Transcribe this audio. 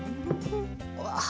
うわ！